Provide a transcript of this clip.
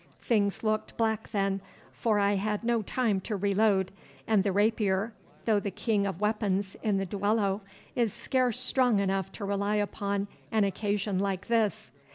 Things looked black then, for I had no time to reload, and the rapier, though the king of weapons in the duello, is scarce strong enough to rely upon on an occasion like this.